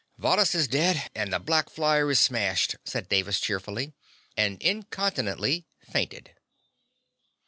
"Varrhus is dead and the black flyer is smashed," said Davis cheerfully, and incontinently fainted.